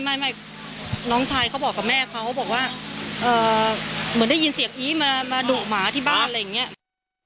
ไม่น้องชายเขาบอกกับแม่เขาบอกว่าเหมือนได้ยินเสียงอีมาดุหมาที่บ้านอะไรอย่างนี้